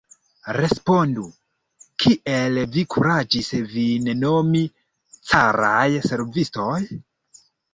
Respondu, kiel vi kuraĝis vin nomi caraj servistoj?